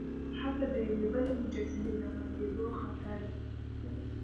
هلته د یوې بلې مجسمې د ماتیدو خطر دی.